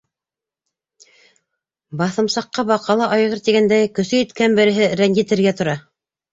Баҫымсаҡҡа баҡа ла айғыр тигәндәй, көсө еткән береһе рәнйетергә тора.